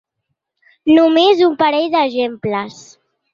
Només un parell d’exemples.